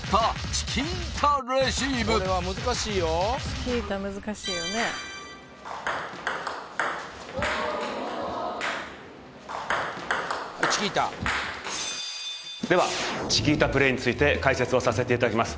チキータではチキータプレーについて解説をさせていただきます